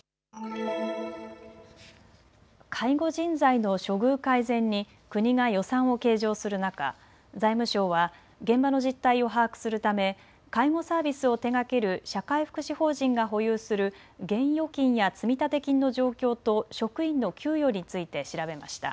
介護人材の処遇改善に国が予算を計上する中、財務省は現場の実態を把握するため介護サービスを手がける社会福祉法人が保有する現預金や積立金の状況と職員の給与について調べました。